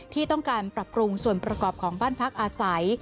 ที่ต้องการปรับปรุงส่วนประกอบของบ้านพักอาศัย